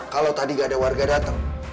kalau tadi gak ada warga datang